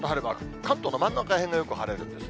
関東の真ん中辺がよく晴れるんですね。